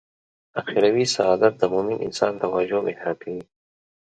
اخروي سعادت د مومن انسان توجه محراق وي.